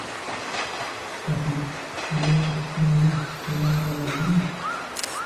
Kati lwe nkufunye tunaaba babiri.